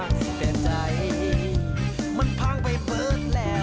แต่ใจนี้มันพังไปเปิดแล้ว